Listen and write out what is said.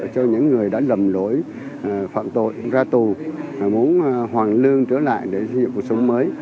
cho những người đã lầm lỗi phạm tội ra tù muốn hoàn lương trở lại để xây dựng cuộc sống mới